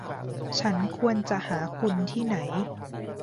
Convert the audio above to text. ฉันควรจะหาคุณที่ไหน